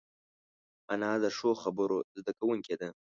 انا د ښو خبرو زده کوونکې ده